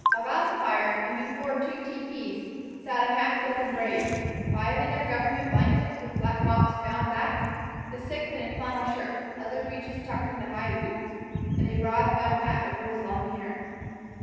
About the fire, and before two tepees, sat a half dozen braves, five in government blankets, with their black mops bound back, the sixth in flannel shirt, leather breeches tucked into high boots, and a broad felt hat over his long hair.